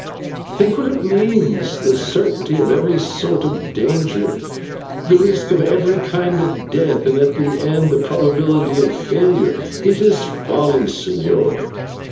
Think what it means: the certainty of every sort of danger, the risk of every kind of death, and at the end, the probability of failure. It is folly, señor."